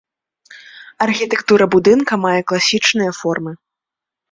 Архітэктура будынка мае класічныя формы.